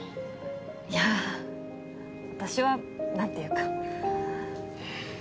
いや私はなんていうか。